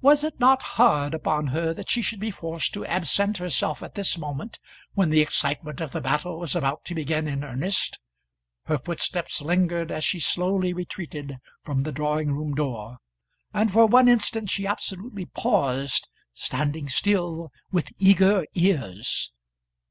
Was it not hard upon her that she should be forced to absent herself at this moment, when the excitement of the battle was about to begin in earnest? Her footsteps lingered as she slowly retreated from the drawing room door, and for one instant she absolutely paused, standing still with eager ears.